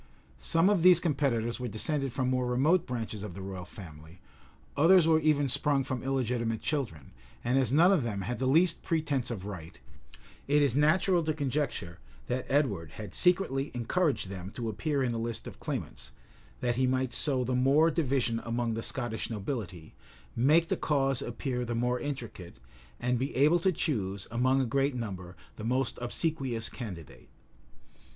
[*] Some of these competitors were descended from more remote branches of the royal family; others were even sprung from illegitimate children; and as none of them had the least pretence of right, it is natural to conjecture that Edward had secretly encouraged them to appear in the list of claimants, that he might sow the more division among the Scottish nobility, make the cause appear the more intricate, and be able to choose, among a great number, the most obsequious candidate.